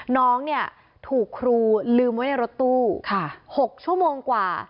น้องเนี่ยถูกครูลืมไว้ในรถตู้๖ชั่วโมงกว่า